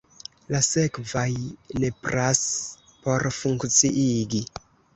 La sekvaj nepras por funkciigi.